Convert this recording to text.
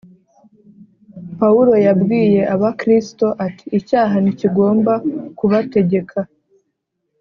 Pawulo yabwiye Abakristo ati “icyaha ntikigomba kubategeka